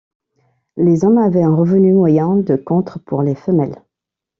Les hommes avaient un revenu moyen de contre pour les femelles.